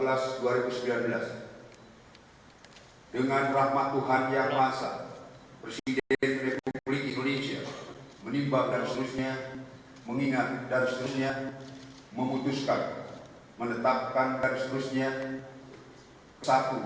lalu kebangsaan indonesia baik